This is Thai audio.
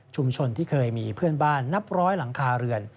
ที่เคยมีเพื่อนบ้านนับร้อยหลังคาเรือน